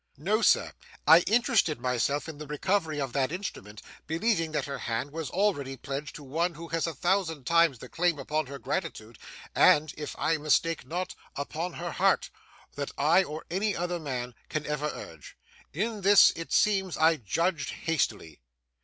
'No, sir. I interested myself in the recovery of that instrument, believing that her hand was already pledged to one who has a thousand times the claims upon her gratitude, and, if I mistake not, upon her heart, that I or any other man can ever urge. In this it seems I judged hastily.